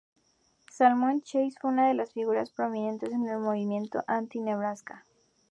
Salmon Chase fue una de las figuras prominentes en el movimiento anti-Nebraska.